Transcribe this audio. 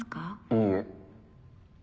いいえ。